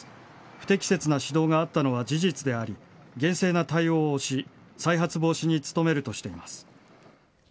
不適切な指導があったのは事実であり厳正な対応をし再発防止に努めるとしています。